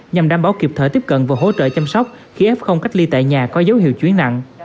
nhằm đảm bảo kịp thời tiếp cận và hỗ trợ chăm sóc khi f cách ly tại nhà có dấu hiệu chuyển nặng